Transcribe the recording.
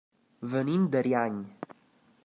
Venim d'Ariany.